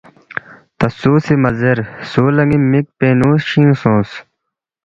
تا سوسی مزیر سولا نی مک پینگنو خشینگ سونگ